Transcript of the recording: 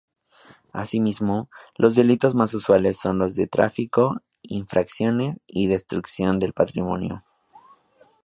Asimismo, los delitos más usuales son los de tráfico, infracciones y destrucción del patrimonio.